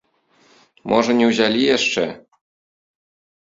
Можа, не ўзялі яшчэ.